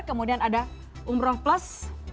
kemudian ada umroh plus